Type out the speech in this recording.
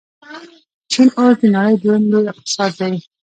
چین اوس د نړۍ دویم لوی اقتصاد دی.